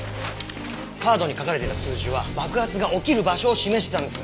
カードに書かれていた数字は爆発が起きる場所を示してたんです。